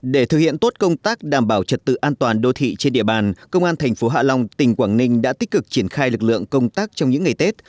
để thực hiện tốt công tác đảm bảo trật tự an toàn đô thị trên địa bàn công an thành phố hạ long tỉnh quảng ninh đã tích cực triển khai lực lượng công tác trong những ngày tết